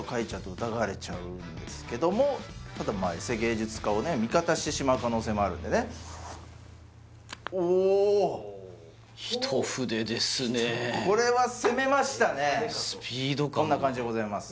疑われちゃうんですけどもただまあエセ芸術家をね味方してしまう可能性もあるんでねおおこれはスピード感がこんな感じでございます